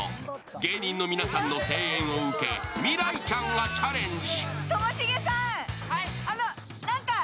芸人の皆さんの声援を受け、未来ちゃんがチャレンジ。